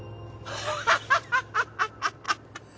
ハハハハ！